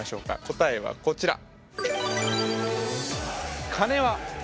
答えはこちら。